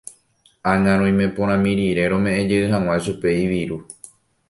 Ág̃a roimeporãmi rire rome'ẽjey hag̃ua chupe iviru.